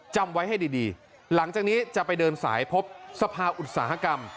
จำไว้ให้ดีหลังจากนี้จะไปเดินสายพบสภาอุตสาหกรรม